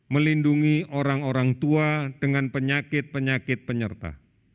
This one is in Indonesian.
melindungi orang orang tua dengan penyakit penyakit penyerta